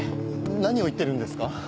何を言ってるんですか？